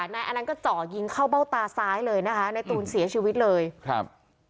นายอนันต์ก็เจาะยิงเข้าเบ้าตาซ้ายเลยนะคะในตูนเสียชีวิตเลยครับ